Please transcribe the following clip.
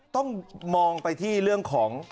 ต้องมองไปที่เรื่องของ